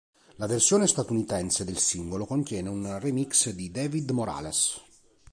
La versione statunitense del singolo contiene un remix di David Morales.